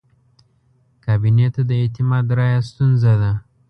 کابینې ته د اعتماد رایه ستونزه ده.